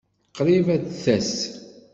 Qṛib ad tas.